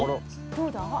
どうだ？